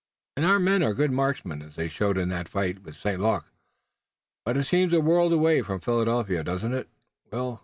"And our men are good marksmen, as they showed in that fight with St. Luc. But it seems a world away from Philadelphia, doesn't it, Will?